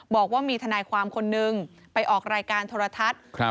บอกว่ามีทนายความคนนึงไปออกรายการโทรทัศน์